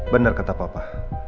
benar kata papa